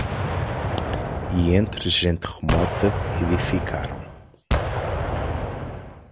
E entre gente remota edificaram